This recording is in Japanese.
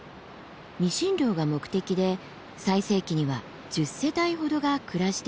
ニシン漁が目的で最盛期には１０世帯ほどが暮らしていたそうです。